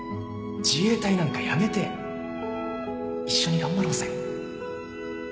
自衛隊なんか辞めて一緒に頑張ろうぜ